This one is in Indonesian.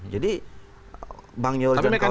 jadi bang yoris dan kawan kawan